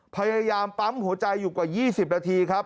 พยายามปั๊มหัวใจอยู่กว่า๒๐นาทีครับ